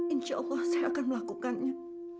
insya allah saya akan melakukannya